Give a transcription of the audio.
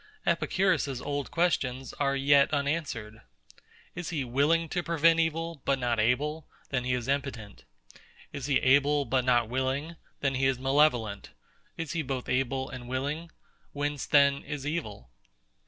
EPICURUS's old questions are yet unanswered. Is he willing to prevent evil, but not able? then is he impotent. Is he able, but not willing? then is he malevolent. Is he both able and willing? whence then is evil?